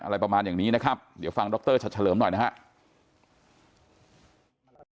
อะไรอย่างนี้ประมาณอย่างนี้นะครับเดี๋ยวฟังดรชัดเฉลิมหน่อยนะครับ